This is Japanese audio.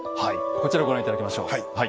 こちらご覧頂きましょう。